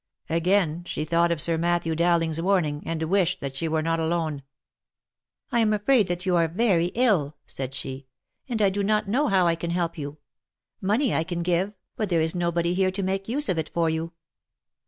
Again she thought of Sir Matthew Dowlin^'s warning:, and wished that she were not alone. " I am afraid that you are very ill," said she, " and I know not how I can help you. Money I can give, but there is nobody here to make use of it for you."